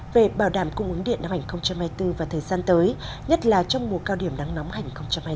về bảo đảm cung ứng điện năm hai nghìn hai mươi bốn và thời gian tới nhất là trong mùa cao điểm nắng nóng hành hai mươi bốn